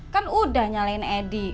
kan udah nyalain edi